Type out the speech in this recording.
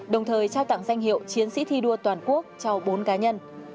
đồng thời trao tặng danh hiệu chiến sĩ thi đua toàn quốc cho bốn cá nhân